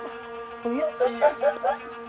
oh ya terus terus terus